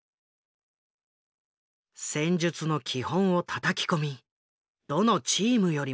「戦術の基本をたたき込みどのチームよりも練習する」。